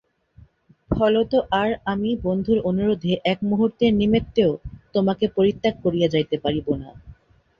ফলত আর আমি বন্ধুর অনুরোধে এক মুহূর্তের নিমিত্তেও তোমাকে পরিত্যাগ করিয়া যাইতে পারিব না।